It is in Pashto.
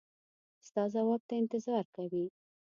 ستا ځواب ته انتظار کوي.